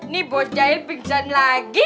nih bocah air pingsan lagi